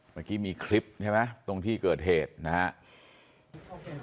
เมื่อกี้มีคลิปใช่ไหมตรงที่เกิดเหตุนะครับ